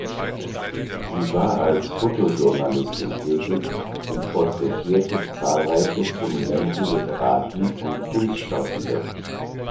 Sie war als Fotojournalistin tätig und porträtierte zahlreiche prominente Literaten und Kunstschaffende.